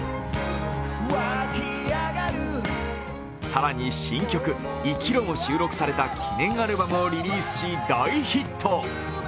更に新曲「生きろ」の収録された記念アルバムをリリースし、大ヒット。